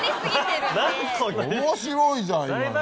面白いじゃん今の。